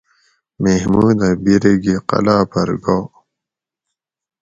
محمودہ بیرے گی قلعاۤ پھر گا